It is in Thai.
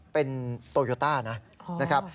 เป็นโตโยต้านะครับ